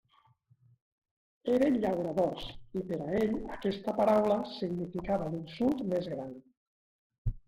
Eren «llauradors», i per a ell aquesta paraula significava l'insult més gran.